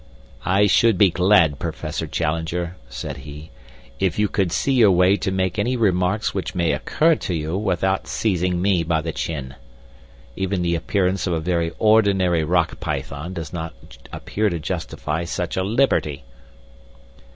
"I should be glad, Professor Challenger," said he, "if you could see your way to make any remarks which may occur to you without seizing me by the chin. Even the appearance of a very ordinary rock python does not appear to justify such a liberty."